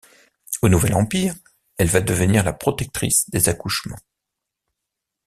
Au Nouvel Empire, elle va devenir la protectrice des accouchements.